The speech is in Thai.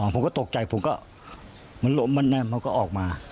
ผมก็ตกใจผมก็มันล้มมันแน่นมันก็ออกมา